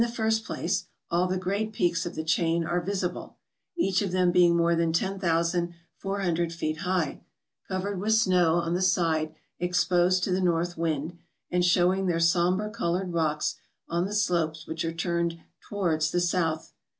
189 first place, all the great peaks of the chain are visible; each of them being more than 10,400 feet high, covered with snow on the side exposed to the north wind, and showing their sombre coloured rocks on the slopes which are turned towards the south.